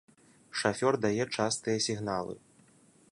Шафёр дае частыя сігналы.